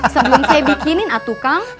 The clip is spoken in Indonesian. sebelum saya bikinin atuh kang